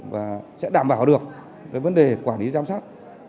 và sẽ đảm bảo được cái vấn đề quản lý giám sát